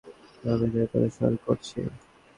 আমি তাকে অনুসরণ করছি।